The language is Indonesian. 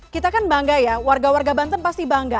kita kan bangga ya warga warga banten pasti bangga